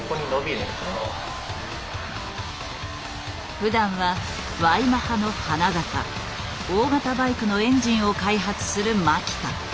ふだんはＹマハの花形大型バイクのエンジンを開発する牧田。